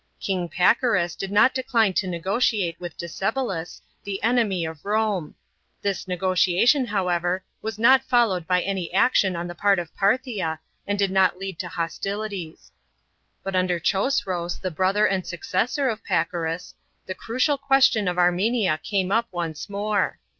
King Pacorus did not decline to negotiate with Docebalus, the enemy of Rome. This negotiation, however, was not followed by any action on the part of Parthia, and did not lead to hostilities. But under Chosroes, the brother and successor of Pacorus, the crucial question of Armenia came up once more.